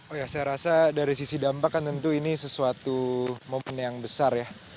oh ya saya rasa dari sisi dampak kan tentu ini sesuatu momen yang besar ya